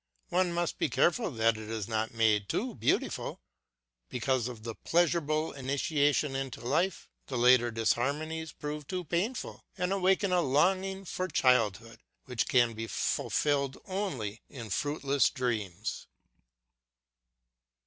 One must be careful that it is not made too beautiful ! Because of the pleasureable initiation into life the later dis harmonies prove too painful and awaken a longing for childhood which can be fulfilled only in fruitless dreams